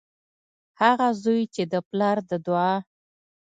هغه زوی چې د پلار د دعا